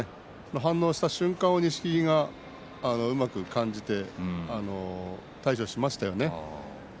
反応した瞬間を錦木がうまく感じて対処しましたね。